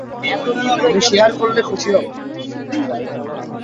আমি শেয়ার করলে খুশি হবো।